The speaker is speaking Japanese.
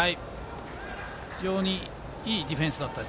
非常にいいディフェンスでした。